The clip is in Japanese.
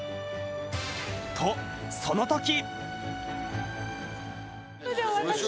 と、そのとき。